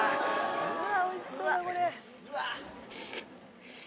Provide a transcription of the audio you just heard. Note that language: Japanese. うわおいしそうだこれ。